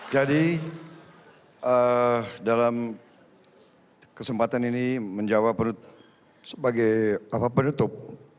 jadi dalam kesempatan ini menjawab sebagai penutup